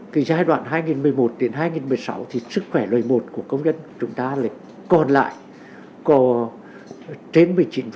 cái giai đoạn hai nghìn một mươi một đến hai nghìn một mươi sáu thì sức khỏe lời một của công dân chúng ta lại còn lại có trên một mươi chín